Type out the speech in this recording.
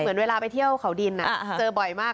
เหมือนเวลาไปเที่ยวเขาดินเจอบ่อยมาก